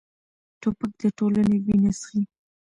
توپک د ټولنې وینه څښي.